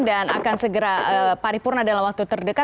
dan akan segera paripurna dalam waktu terdekat